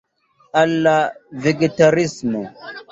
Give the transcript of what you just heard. Al la vegetarismo?